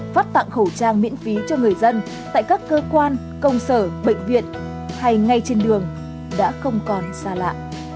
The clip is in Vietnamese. phát tặng khẩu trang miễn phí cho người dân tại các cơ quan công sở bệnh viện hay ngay trên đường đã không còn xa lạ